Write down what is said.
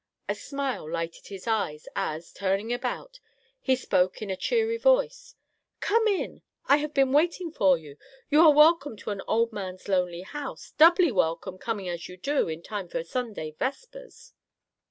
A smile lighted his eyes as, turning about, he spoke in a cheery voice: "Come in. I have been waiting for you. You are welcome to an old man's lonely house; doubly welcome, coming as you do in time for Sunday vespers."